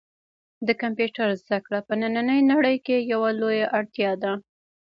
د کمپیوټر زده کړه په نننۍ نړۍ کې یوه لویه اړتیا ده.